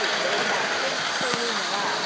ポタジェというのは。